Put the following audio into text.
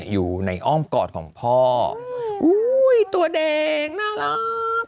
อยู่ในอ้อมกอดของพ่อตัวเด็กน่ารัก